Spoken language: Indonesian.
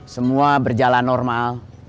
semua berjalan normal